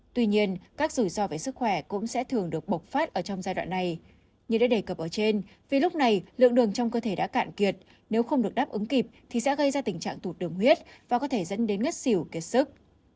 tuy nhiên các rủi ro về sức khỏe cũng sẽ thường được bộc phát ở trong giai đoạn này như đã đề cập ở trên vì lúc này lượng đường trong cơ thể đã cạn kiệt nếu không được đáp ứng kịp thì sẽ gây ra tình trạng tụt đường huyết và có thể dẫn đến ngất xỉu kiệt sức